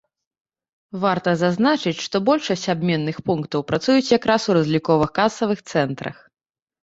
Варта зазначыць, што большасць абменных пунктаў працуюць якраз у разлікова-касавых цэнтрах.